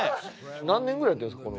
何年ぐらいやってるんですか？